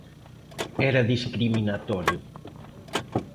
Era discriminatorio.